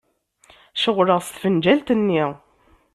Ceɣleɣ s tfenǧalt-nni.